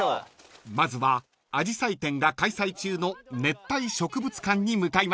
［まずはあじさい展が開催中の熱帯植物館に向かいます］